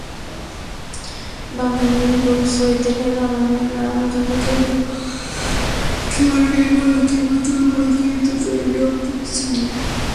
বাঙালির লোকচৈতন্যে লালনের নাম ধ্রুবতারার ঔজ্জ্বল্যে দীপ্তিমান, কিংবদন্তির মতো প্রচারিত তাঁর নাম-পরিচয়।